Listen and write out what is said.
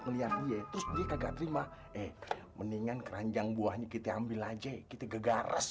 melihat dia terus dia kagak terima eh mendingan keranjang buahnya kita ambil aja kita gegara